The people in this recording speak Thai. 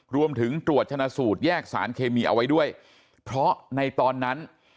รวมถึงตรวจชนะสูตรแยกสารเคมีเอาไว้ด้วยเพราะในตอนนั้น